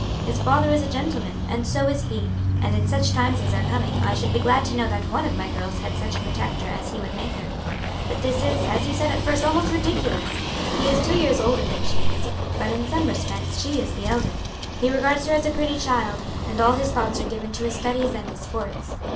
"His father is a gentleman, and so is he, and in such times as are coming I should be glad to know that one of my girls had such a protector as he would make her; but this is, as you said at first, almost ridiculous. He is two years older than she is, but in some respects she is the elder; he regards her as a pretty child, and all his thoughts are given to his studies and his sports.